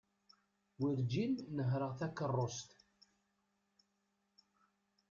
Werǧin nehreɣ takerrust.